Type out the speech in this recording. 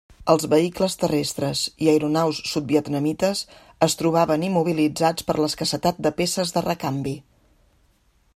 Els vehicles terrestres i aeronaus sud-vietnamites es trobaven immobilitzats per l'escassetat de peces de recanvi.